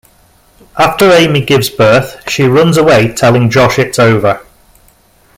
After Amy gives birth she runs away telling Josh its over.